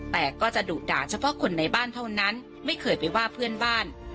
แต่ก็จะดุด่าเฉพาะคนในบ้านเท่านั้นไม่เคยไปว่าเพื่อนบ้าน